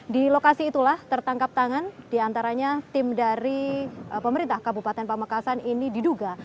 di lokasi itulah tertangkap tangan diantaranya tim dari pemerintah kabupaten pamekasan ini diduga